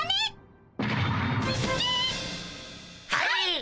はい！